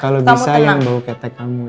kalau bisa yang bau ketek kamu ya